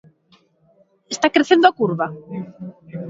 Está crecendo a curva?